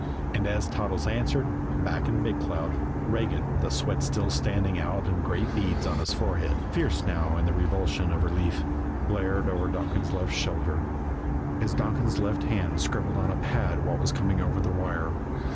And as Toddles answered, back in Big Cloud, Regan, the sweat still standing out in great beads on his forehead, fierce now in the revulsion of relief, glared over Donkin's left shoulder, as Donkin's left hand scribbled on a pad what was coming over the wire.